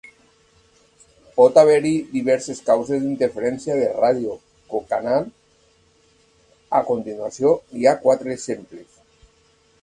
Pot haver-hi diverses causes d'interferència de ràdio cocanal; a continuació hi ha quatre exemples.